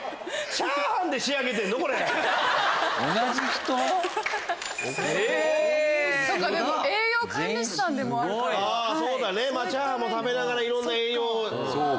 チャーハンも食べながらいろんな栄養を。